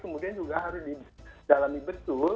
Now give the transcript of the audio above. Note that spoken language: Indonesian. kemudian juga harus didalami betul